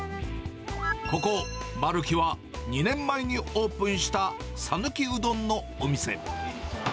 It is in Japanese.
ここ、丸樹は２年前にオープンしたさぬきうどんのお店。